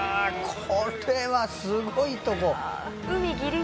これはすごいとこ。